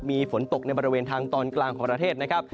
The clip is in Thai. มีฝนตกในบริเวณทางตอนกลางของประเทศนะครับ